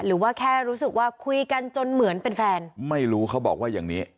หรือว่าแค่รู้สึกว่าคุยกันจนเหมือนเป็นแฟนไม่รู้เขาบอกว่าอย่างนี้